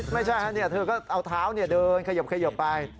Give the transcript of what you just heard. ไม่ใช่นะเนี่ยเธอก็เอาเท้าเนี่ยเดินขยบไป